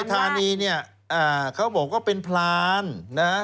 นายธานีนี่เขาบอกว่าเป็นพลาน